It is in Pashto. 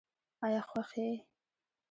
آیا خوښ یې؟